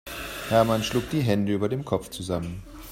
Hermann schlug die Hände über dem Kopf zusammen.